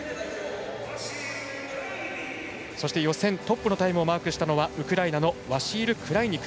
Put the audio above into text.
予選トップのタイムをマークしたのはウクライナのワシール・クライニク。